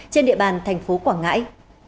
trên địa bàn tp quảng ngãi